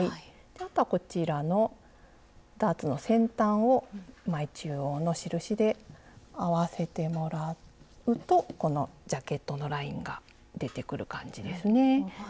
あとはこちらのダーツの先端を前中央の印で合わせてもらうとこのジャケットのラインが出てくる感じですね。